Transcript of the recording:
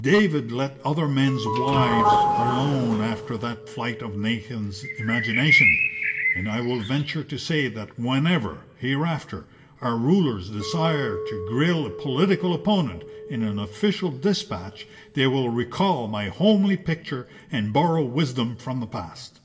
David let other men's wives alone after that flight of Nathan's imagination; and I will venture to say that whenever, hereafter, our rulers desire to grille a political opponent in an official dispatch, they will recall my homely picture and borrow wisdom from the past.'